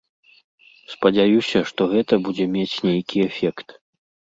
Спадзяюся, што гэта будзе мець нейкі эфект.